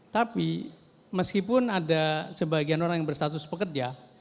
tapi meskipun ada sebagian orang yang berstatus pekerja